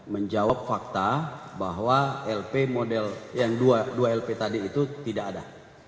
menjawab fakta bahwa lp model yang dua lp tadi itu tidak ada